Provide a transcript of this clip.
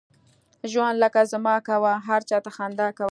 ژوند لکه زما کوه ، هر چاته خنده کوه!